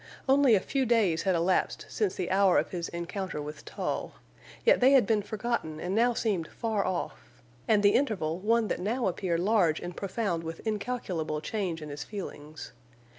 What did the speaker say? Only a few days had elapsed since the hour of his encounter with Tull, yet they had been forgotten and now seemed far off, and the interval one that now appeared large and profound with incalculable change in his feelings.